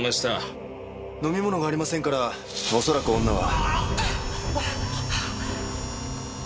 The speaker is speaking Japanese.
飲み物がありませんから恐らく女は。